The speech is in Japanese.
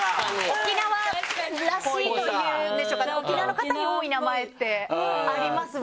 沖縄らしいというんでしょうか沖縄の方に多い名前ってありますもんね。